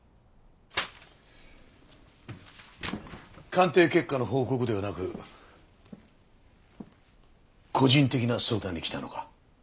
鑑定結果の報告ではなく個人的な相談に来たのか？